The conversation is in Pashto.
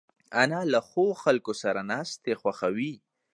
انا له ښو خلکو سره ناستې خوښوي